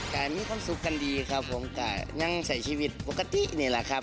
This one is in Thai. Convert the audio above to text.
แต่มีความสุขกันดีครับผมก็ยังใส่ชีวิตปกตินี่แหละครับ